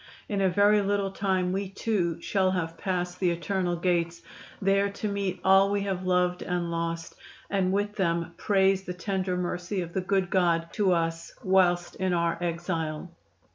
In a very little time we, too, shall have passed the eternal gates, there to meet all we have loved and lost, and with them praise the tender mercy of the good God to us whilst in our exile.